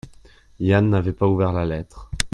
Yann n’avait pas ouvert la lettre.